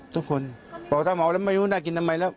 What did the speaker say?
ทุกคนบอกถ้าเมาแล้วไม่รู้น่ากินทำไมแล้ว